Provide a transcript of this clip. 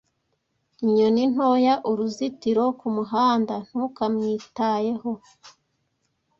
Inyoni ntoya, Uruzitiro kumuhanda, ntukamwitayeho